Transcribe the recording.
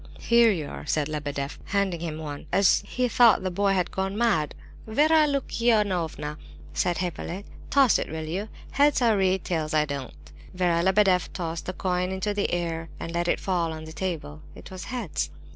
"Here you are," said Lebedeff, handing him one; he thought the boy had gone mad. "Vera Lukianovna," said Hippolyte, "toss it, will you? Heads, I read, tails, I don't." Vera Lebedeff tossed the coin into the air and let it fall on the table. It was "heads."